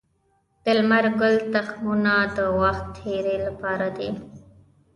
د لمر ګل تخمونه د وخت تیري لپاره دي.